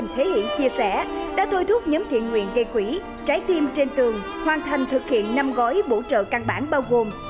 thôi thuốc nhóm thiện nguyện gây quỷ trái tim trên tường hoàn thành thực hiện năm gói bổ trợ căn bản bao gồm